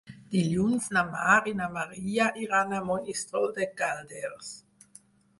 Dilluns na Mar i na Maria iran a Monistrol de Calders.